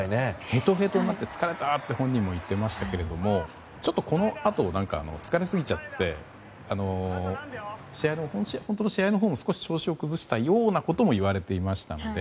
へとへとになって疲れたって本人も言っていましたけどちょっと、このあと疲れすぎちゃって本当の試合のほうも調子を崩したようなことも言われていましたので。